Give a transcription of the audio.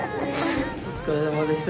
お疲れさまでした。